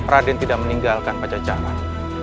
raden tidak meninggalkan pajajaran